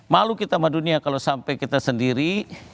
malu kita sama dunia kalau sampai kita sendiri